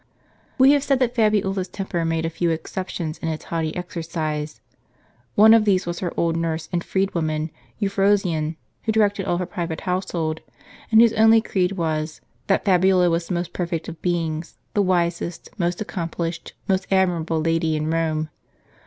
We have said that Fabiola's temper made a few exceptions in its haughty exercise. One of these was her old nurse and freed woman Euphrosyne, who directed all her private household, and whose only creed was, that Fabiola was the most perfect of beings, the wisest, most accomplished, most admirable lady in Eome.